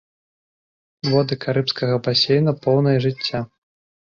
Воды карыбскага басейна поўныя жыцця.